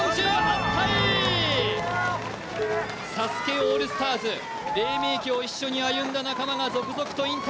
オールスターズ、黎明期を一緒に歩んだ仲間が続々と引退。